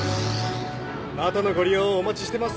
またのご利用をお待ちしてます。